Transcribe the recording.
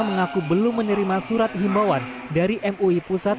mengaku belum menerima surat himbauan dari mui pusat